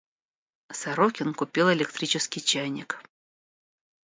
Сорокин купил электрический чайник.